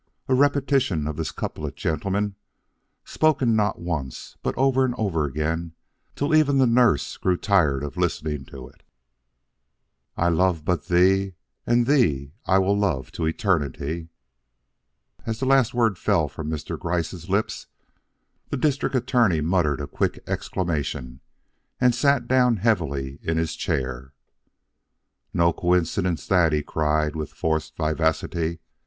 A repetition of this couplet, gentlemen, spoken not once but over and over again, till even the nurse grew tired of listening to it. 'I love but thee, And thee will I love to eternity.'" As the last word fell from Mr. Gryce's lips, the District Attorney muttered a quick exclamation, and sat down heavily in his chair. "No coincidence that," he cried, with forced vivacity.